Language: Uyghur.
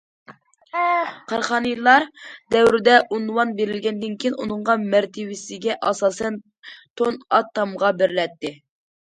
قاراخانىيلار دەۋرىدە ئۇنۋان بېرىلگەندىن كېيىن، ئۇنىڭغا مەرتىۋىسىگە ئاساسەن تون، ئات، تامغا بېرىلەتتى.